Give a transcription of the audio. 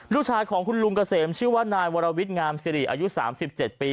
ลูกชายของคุณลุงเกษมชื่อว่านายวรวิทงามสิริอายุ๓๗ปี